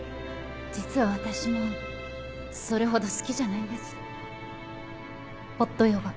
実は私もそれほど好きじゃないんですホットヨガ。